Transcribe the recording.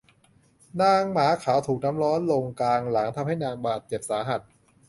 นางหมาขาวถูกน้ำร้อนลงกลางหลังทำให้นางบาดเจ็บสาหัส